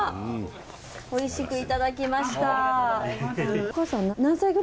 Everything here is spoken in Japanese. おいしくいただきました。